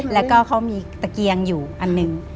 แล้วก็เขามีตะเกียงอยู่อันหนึ่ง